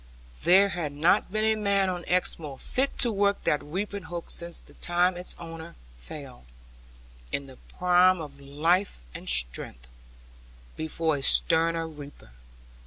There had not been a man on Exmoor fit to work that reaping hook since the time its owner fell, in the prime of life and strength, before a sterner reaper.